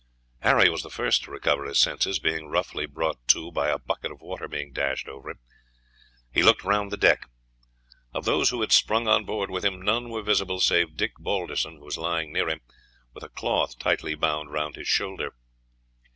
Harry was the first to recover his senses, being roughly brought to by a bucket of water being dashed over him. He looked round the deck. Of those who had sprung on board with him, none were visible save Dick Balderson, who was lying near him, with a cloth tightly bound round his shoulder.